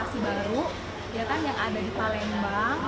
kenapa kita nggak inovasi baru yang ada di palembang